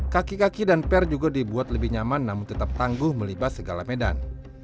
kaki kaki dan per juga dibuat lebih nyaman namun tetap tangguh melibas segala medan